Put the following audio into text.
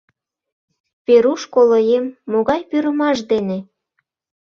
— Веруш, колоем, могай пӱрымаш дене?!